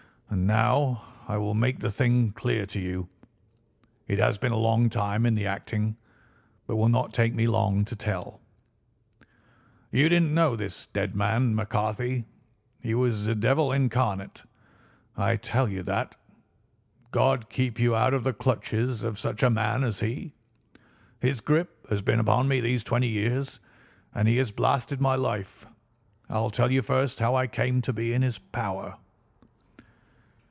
And now I will make the thing clear to you; it has been a long time in the acting, but will not take me long to tell. "You didn't know this dead man, McCarthy. He was a devil incarnate. I tell you that. God keep you out of the clutches of such a man as he. His grip has been upon me these twenty years, and he has blasted my life. I'll tell you first how I came to be in his power.